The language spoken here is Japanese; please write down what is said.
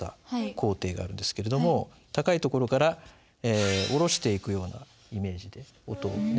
高低があるんですけれども高いところから下ろしていくようなイメージで音をね